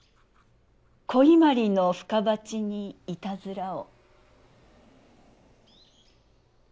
古伊万里の深鉢にいたずらを。